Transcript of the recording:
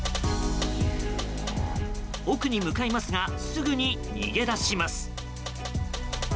奥に向かいますがすぐに逃げ出します。